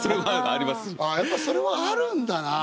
ああやっぱそれはあるんだな。